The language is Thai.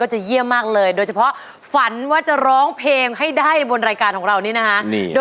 ขอเพียงเธอรออย่าลาอย่ารักไม่ตี